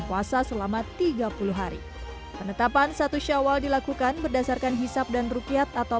puasa selama tiga puluh hari penetapan satu syawal dilakukan berdasarkan hisap dan rukiat atau